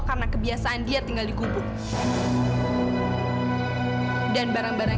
kamu pikir biaya pengobatan itu murah